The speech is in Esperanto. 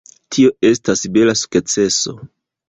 Tio estas bela sukceso.